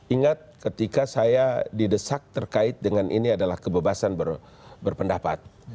ingat ketika saya didesak terkait dengan ini adalah kebebasan berpendapat